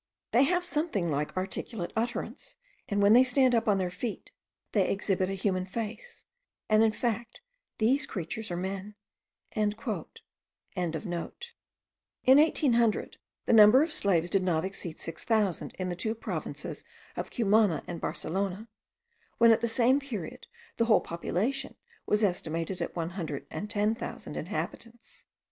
They have something like articulate utterance; and when they stand up on their feet, they exhibit a human face, and in fact these creatures are men.") In 1800 the number of slaves did not exceed six thousand in the two provinces of Cumana and Barcelona, when at the same period the whole population was estimated at one hundred and ten thousand inhabitants.